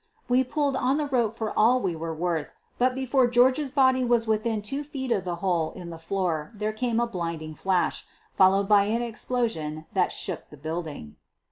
We pulled on the rope for all we were worth but before George 's body was within two feet of the hole in the floor there came a blinding flash, followed by an explosion that shook the building.